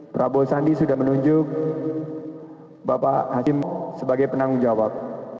prabowo sandi sudah menunjuk bapak hakim sebagai penanggung jawab